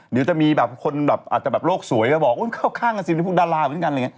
หรือจะมีคนอาจจะโรคสวยก็บอกเข้าข้างกันสิพวกดาราเหมือนกัน